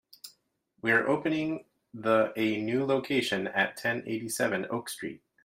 We are opening the a new location at ten eighty-seven Oak Street.